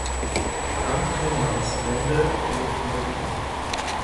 Frank-Thomas Mende lebt in Berlin.